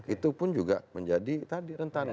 itu pun juga menjadi tadi rentan